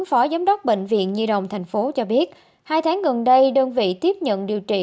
phó giám đốc bệnh viện nhi đồng tp hcm cho biết hai tháng gần đây đơn vị tiếp nhận điều trị